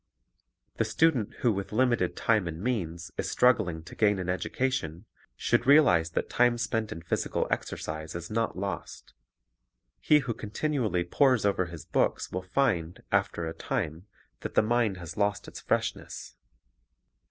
The student who with limited time and means is struggling to gain an education should realize that time Recreation 209 spent in physical exercise is not lost. He who continu ally pores over his books will find, after a time, that the mind has lost its freshness.